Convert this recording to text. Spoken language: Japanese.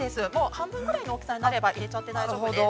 半分ぐらいの大きさになれば、入れちゃって大丈夫です。